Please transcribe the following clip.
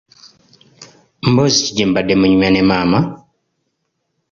Mboozi ki gye mubadde munyumya ne maama?